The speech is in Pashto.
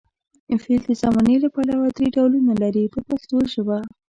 فعل د زمانې له پلوه درې ډولونه لري په پښتو ژبه.